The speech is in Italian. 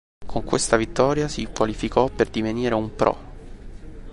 Con questa vittoria si qualificò per divenire un pro.